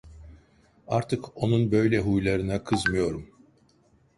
Artık onun böyle huylarına kızmıyorum…